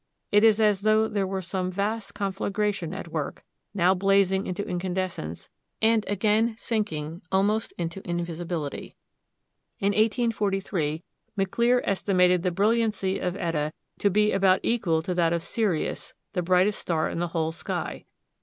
It is as though there were some vast conflagration at work, now blazing into incandescence, and again sinking almost into invisibility. In 1843 Maclear estimated the brilliancy of Eta to be about equal to that of Sirius, the brightest star in the whole sky.